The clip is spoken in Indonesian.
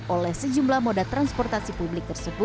oleh sejumlah moda transportasi publik tersebut